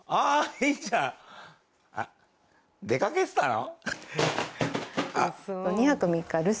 ヒーちゃんえっ？出かけてたの？